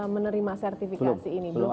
menerima sertifikasi ini belum